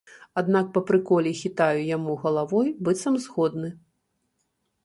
Аднак па прыколе хітаю яму галавой, быццам згодны.